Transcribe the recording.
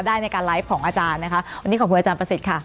ได้ในการไลฟ์ของอาจารย์นะคะวันนี้ขอบคุณอาจารย์ประสิทธิ์ค่ะ